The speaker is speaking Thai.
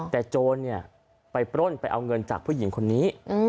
แต่โจรไปปล้นไปเอาเงินจากผู้หญิงคนนี้